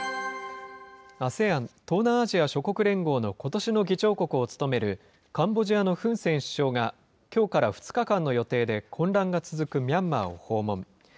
ＡＳＥＡＮ・東南アジア諸国連合のことしの議長国を務めるカンボジアのフン・セン首相が、きょうから２日間の予定で混乱が続くミャンマーを訪問。